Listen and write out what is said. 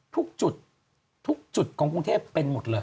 ทุกจุดทุกจุดของกรุงเทพเป็นหมดเลย